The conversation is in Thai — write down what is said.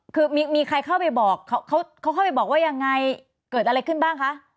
คือมีใครเข้าไปบอกเขาเข้าไปบอกว่ายังไงเกิดอะไรขึ้นบ้างคะ